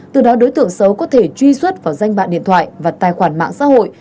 từ đó đối tượng xấu có thể truy xuất vào danh bạn điện thoại và tài khoản mạng xã hội